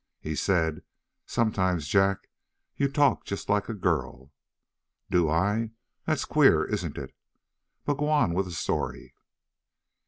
He said: "Sometimes, Jack, you talk just like a girl." "Do I? That's queer, isn't it? But go on with the story."